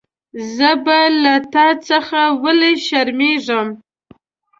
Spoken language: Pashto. زه به له تا څخه ویلي شرمېږم.